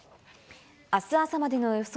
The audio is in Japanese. あす朝までの予想